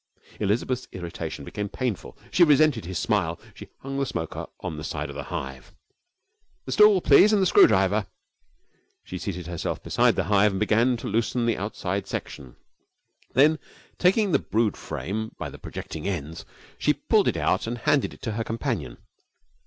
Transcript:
Elizabeth's irritation became painful. She resented his smile. She hung the smoker on the side of the hive. 'The stool, please, and the screw driver.' She seated herself beside the hive and began to loosen the outside section. Then taking the brood frame by the projecting ends, she pulled it out and handed it to her companion.